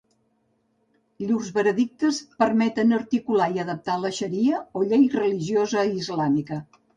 Llurs veredictes permeten articular i adaptar la xaria o llei religiosa islàmica.